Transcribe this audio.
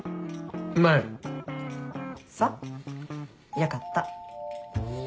よかった。